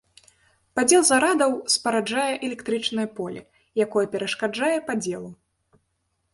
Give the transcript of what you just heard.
Падзел зарадаў спараджае электрычнае поле, якое перашкаджае падзелу.